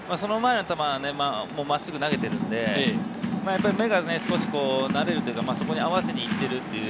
低めに行きましたけれど、その前の球、真っすぐ投げているので、目が少しなれるというか、そこに合わせて行っている。